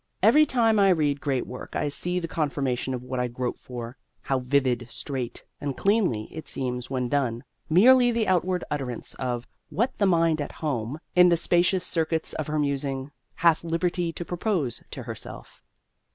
Every time I read great work I see the confirmation of what I grope for. How vivid, straight, and cleanly it seems when done: merely the outward utterance of "what the mind at home, in the spacious circuits of her musing, hath liberty to propose to herself."